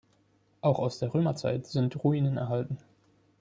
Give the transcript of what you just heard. Auch aus der Römerzeit sind Ruinen erhalten.